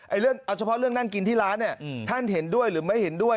เรื่องเอาเฉพาะเรื่องนั่งกินที่ร้านเนี่ยท่านเห็นด้วยหรือไม่เห็นด้วย